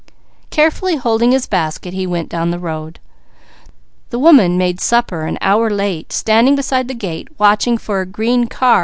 Carefully holding his basket he went down the road. The woman made supper an hour late standing beside the gate watching for a green car.